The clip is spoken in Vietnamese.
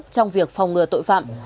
trong việc phòng ngừa tội phạm